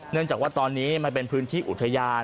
เนื่องจากว่าตอนนี้มันเป็นพื้นที่อุทยาน